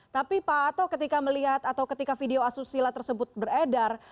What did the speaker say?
tapi pak ato ketika melihat atau ketika video asusila tersebut beredar